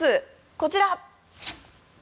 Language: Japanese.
こちら！